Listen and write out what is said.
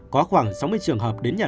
có khoảng sáu mươi trường hợp đến nhà lạc